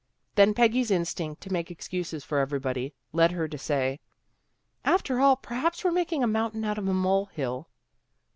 Then Peggy's instinct to make excuses for everybody, led her to say, " After all, perhaps we're making a mountain out of a mole hill."